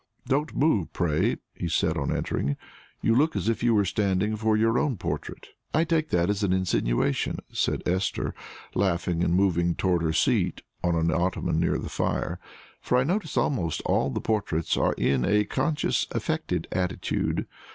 "Don't move, pray," he said on entering; "you look as if you were standing for your own portrait." "I take that as an insinuation," said Esther, laughing, and moving toward her seat on an ottoman near the fire, "for I notice almost all the portraits are in a conscious, affected attitude.